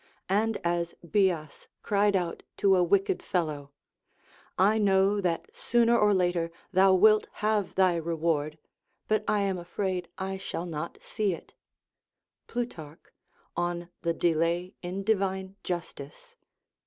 And as Bias cried out to a wicked fellow, "I know that sooner or later thou wilt have thy reward, but I am afraid I shall not see it"; [Plutarch, on the Delay in Divine Justice, c.